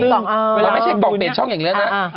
เราไม่ใช่กล่องเปลี่ยนช่องอย่างนี้นะ